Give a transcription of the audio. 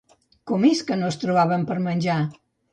Com és que no es trobaven per menjar?